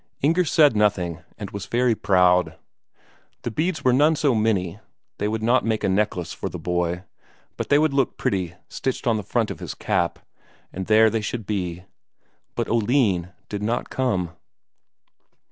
Inger said nothing, and was very proud. The beads were none so many; they would not make a necklace for the boy, but they would look pretty stitched on the front of his cap, and there they should be. But Oline did not come.